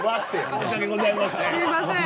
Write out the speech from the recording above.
申し訳ございません。